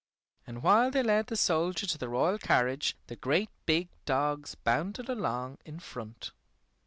And while they led the soldier to the royal carriage the great big dogs bounded along in front.